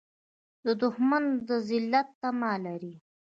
دښمن د ذلت تمه لري